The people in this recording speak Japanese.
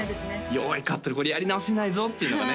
よーいカットでこれやり直せないぞっていうのがね